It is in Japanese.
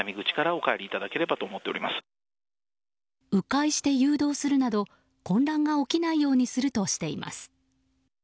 迂回して誘導するなど混乱が起きないようにするとしています。